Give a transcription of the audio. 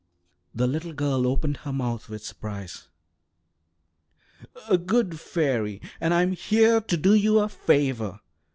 The little girl opened her mouth with surprise. "A good fairy, and I am here to do you a favour.